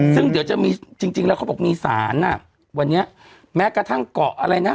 ซึ่งเดี๋ยวจะมีจริงแล้วเขาบอกมีสารอ่ะวันนี้แม้กระทั่งเกาะอะไรนะ